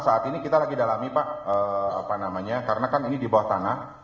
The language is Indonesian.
saat ini kita lagi dalami pak karena kan ini di bawah tanah